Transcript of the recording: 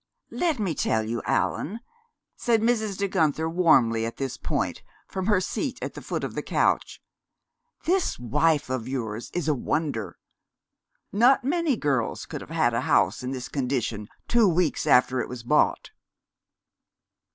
"Let me tell you, Allan," said Mrs. De Guenther warmly at this point, from her seat at the foot of the couch, "this wife of yours is a wonder. Not many girls could have had a house in this condition two weeks after it was bought."